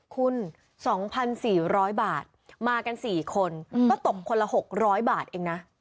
คุณ๒๔๐๐บาทมากัน๔คนก็ตกคนละ๖๐๐บาทเองนะ